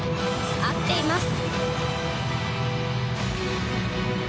合っています。